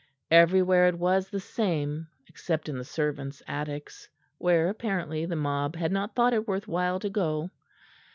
Everywhere it was the same, except in the servants' attics, where, apparently, the mob had not thought it worth while to go.